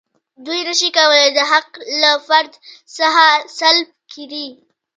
دوی نشي کولای دا حق له فرد څخه سلب کړي.